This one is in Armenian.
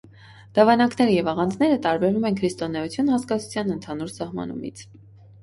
Դավանանքները և աղանդները տարբերվում են «քրիստոնեություն» հասկացության ընդհանուր սահմանումից։